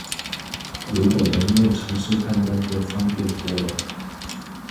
如果能用程式判斷就方便多了